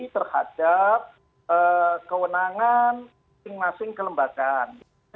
terhadap kewenangan masing masing kelembagaan